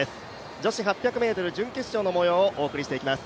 女子８００ｍ準決勝の模様をお送りしていきます。